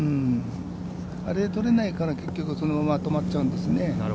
あれが取れないから、結局まとまっちゃうんですね。